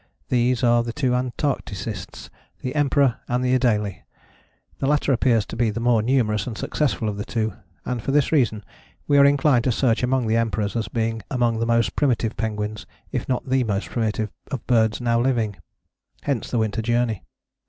These are the two Antarcticists, the Emperor and the Adélie. The latter appears to be the more numerous and successful of the two, and for this reason we are inclined to search among the Emperors as being among the most primitive penguins, if not the most primitive of birds now living: hence the Winter Journey.